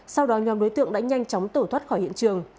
sau đó nhóm đối tượng đã nhanh chóng tẩu thoát khỏi hiện trường